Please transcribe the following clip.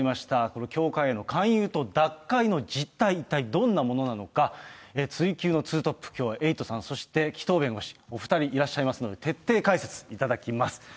この教会への勧誘と脱会の実態、一体どんなものなのか、追及の２トップ、きょうはエイトさん、そして紀藤弁護士、お２人いらっしゃいますので徹底解説いただきます。